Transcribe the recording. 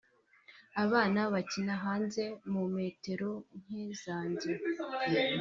abana bakina hanze mu metero nke zanjye